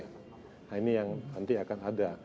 nah ini yang nanti akan ada